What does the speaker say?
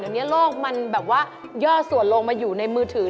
เดี๋ยวนี้โลกมันแบบว่าย่อส่วนลงมาอยู่ในมือถือ